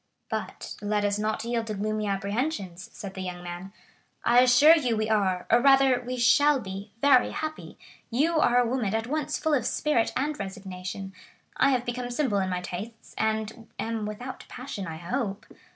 "But let us not yield to gloomy apprehensions," said the young man; "I assure you we are, or rather we shall be, very happy. You are a woman at once full of spirit and resignation; I have become simple in my tastes, and am without passion, I hope.